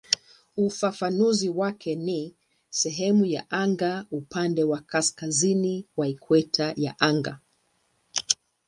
Ufafanuzi wake ni "sehemu ya anga upande wa kaskazini wa ikweta ya anga".